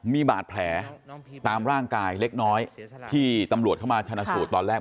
มีบาดแผลตามร่างกายเล็กน้อยที่ตำรวจเข้ามาชนะสูตรตอนแรก